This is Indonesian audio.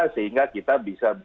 sehingga kita bisa berkembang